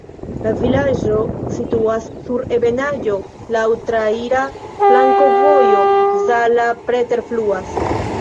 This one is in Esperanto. La vilaĝo situas sur ebenaĵo, laŭ traira flankovojo, Zala preterfluas.